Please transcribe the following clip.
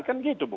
kan gitu bu